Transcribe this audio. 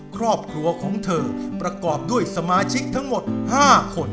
ครอบครัวของเธอประกอบด้วยสมาชิกทั้งหมด๕คน